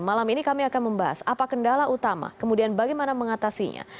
malam ini kami akan membahas apa kendala utama kemudian bagaimana mengatasinya